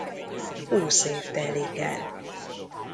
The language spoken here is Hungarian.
Húsz év telik el.